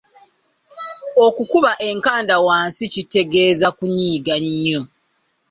Okukuba enkanda wansi kitegeeza kunyiiga nnyo.